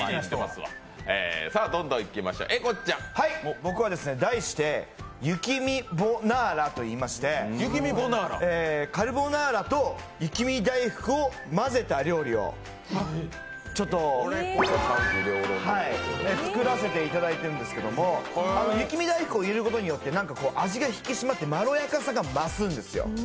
僕は題して雪見ボナーラといいましてカルボナーラと雪見だいふくを混ぜた料理を作らせていただいてるんですけど、雪見だいふくを入れることによって、味が引き締まってまろやかさが増すんです。